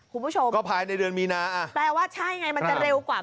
คุณผู้ชมครับคุณผู้ชมครับคุณผู้ชมครับ